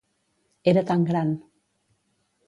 Era tan gran.